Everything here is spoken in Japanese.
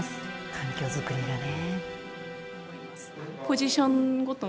環境づくりがね。